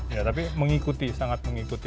ya tapi mengikuti sangat mengikuti